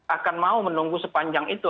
akan mau menunggu sepanjang itu